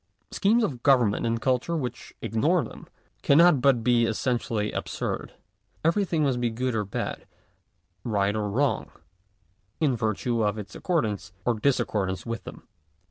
Schemes of government and culture which ignore them, cannot but be essentially absurd. Everything must be good or bad, right or wrong, in virtue of its accordance or discordance with them.